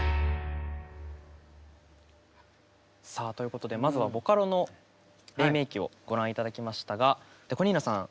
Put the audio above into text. さあということでまずはボカロの黎明期をご覧頂きましたがＤＥＣＯ２７さん。